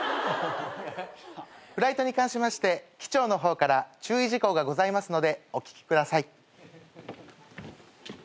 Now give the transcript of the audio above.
フライトに関しまして機長の方から注意事項がございますのでお聞きください。